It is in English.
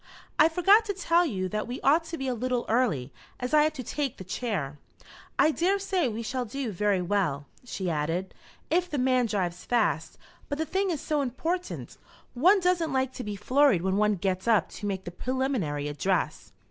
"I forgot to tell you that we ought to be a little early, as I have to take the chair. I daresay we shall do very well," she added, "if the man drives fast. But the thing is so important! One doesn't like to be flurried when one gets up to make the preliminary address."